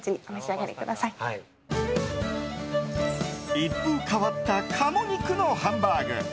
一風変わった鴨肉のハンバーグ。